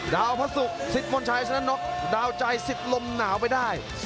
ดาวพระศุกร์สิทธมนต์ชัยชนะนกดาวใจสิทธิ์ลมหนาวไปได้